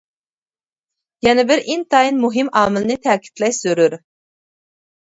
يەنە بىر ئىنتايىن مۇھىم ئامىلنى تەكىتلەش زۆرۈر.